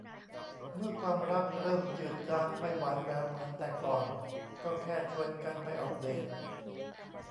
เมื่อความรักเริ่มจืดจางไม่หวานแหววเหมือนแต่ก่อนก็แค่ชวนกันไปออกเดต